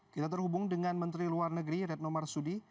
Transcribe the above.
kita terhubung dengan menteri luar negeri retno marsudi